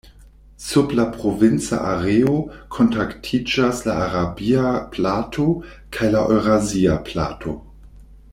Sub la provinca areo kontaktiĝas la arabia plato kaj la eŭrazia plato.